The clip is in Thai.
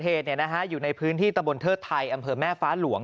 เหตุอยู่ในพื้นที่ตะบนเทิดไทยอำเภอแม่ฟ้าหลวง